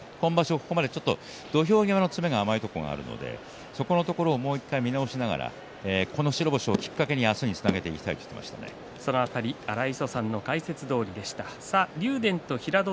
ここまで土俵際の詰めが甘いところがあるのでそこをもう一度見直しながら今日の白星をきっかけに明日以降を見直していきたいと荒磯さんの解説どおりでした。